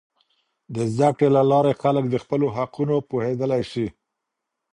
د زده کړې له لارې، خلک د خپلو حقونو پوهیدلی سي.